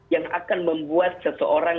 yang akan membuat seseorang